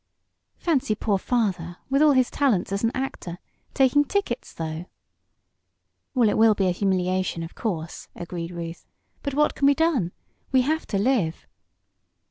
"Fancy poor father, with all his talents as an actor, taking tickets, though!" "Well, it will be a humiliation, of course," agreed Ruth. "But what can be done? We have to live."